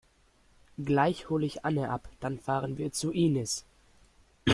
Gleich hol ich Anne ab. Dann fahren wir zu Inis.